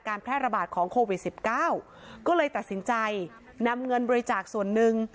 แพร่ระบาดของโควิด๑๙ก็เลยตัดสินใจนำเงินบริจาคส่วนหนึ่ง